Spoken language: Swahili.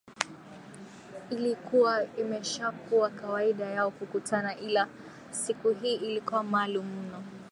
ilikuwa imeshakuwa kawaida yao kukutana ila siku hii ilikuwa maalum mno